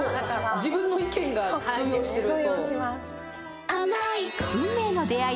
自分の意見が通用していると。